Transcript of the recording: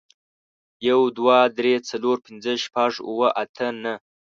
يو، دوه، درې، څلور، پينځه، شپږ، اووه، اته، نهه